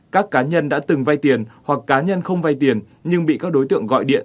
các cá nhân đã từng vay tiền hoặc cá nhân không vay tiền nhưng bị các đối tượng gọi điện